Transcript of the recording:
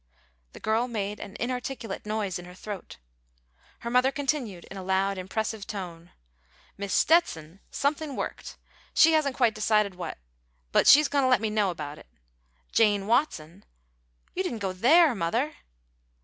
The girl made an inarticulate noise in her throat. Her mother continued, in a loud, impressive tone: "Mis' Stetson something worked. She hasn't quite decided what, but she's goin' to let me know about it. Jane Watson " "You didn't go there, mother!"